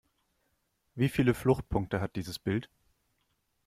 Wie viele Fluchtpunkte hat dieses Bild?